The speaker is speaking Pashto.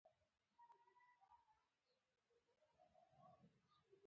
ګومان دی چې دام یې کېښود.